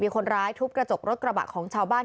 คนร้ายทุบกระจกรถกระบะของชาวบ้าน